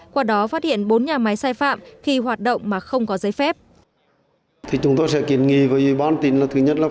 qua đó phát hiện bốn nhà máy sai phạm khi hoạt động mà không có giấy phép